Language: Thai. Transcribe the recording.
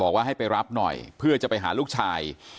ว่าให้ไปรับหน่อยเพื่อจะไปหาลูกชาย